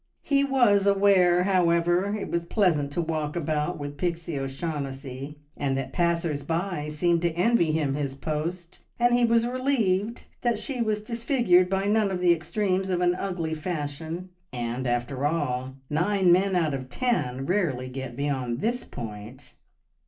He was aware, however, it was pleasant to walk about with Pixie O'Shaughnessy, and that passers by seemed to envy him his post, and he was relieved that she was disfigured by none of the extremes of an ugly fashion; and, after all, nine men out of ten rarely get beyond this point.